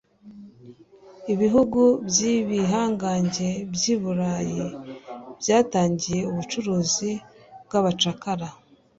ibihugu by'ibihangange by'i Burayi byatangiye ubucuruzi bw'abacakara,